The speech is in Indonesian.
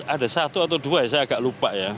ada satu atau dua ya saya agak lupa ya